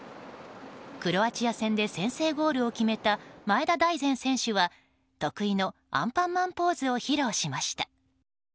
クロアチア戦で先制ゴールを決めた前田大然選手は得意のアンパンマンポーズを披露しました。